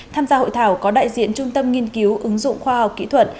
tham gia hội thảo có đại diện trung tâm nghiên cứu ứng dụng khoa học kỹ thuật